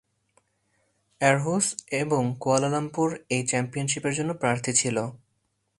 Aarhus এবং Kuala Lumpur এই চ্যাম্পিয়নশিপের জন্য প্রার্থী ছিল।